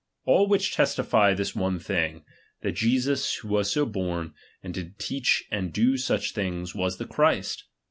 All which testify this one thing ; that Jesus who was so born, and did teach and do siich things, was the Christ.